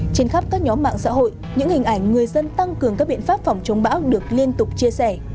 trên khắp các nhóm mạng xã hội những hình ảnh người dân tăng cường các biện pháp phòng chống bão được liên tục chia sẻ